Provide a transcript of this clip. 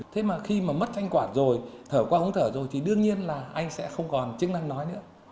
thế mà khi mà mất thanh quản rồi thở qua uống thở rồi thì đương nhiên là anh sẽ không còn chức năng nói nữa